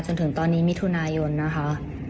จนถึงตอนนี้มิถุนายนนะคะ